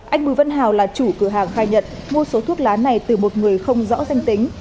anh bùi văn hào là chủ cửa hàng khai nhận mua số thuốc lá này từ một người không rõ danh tính